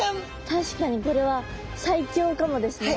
確かにこれは最強かもですね。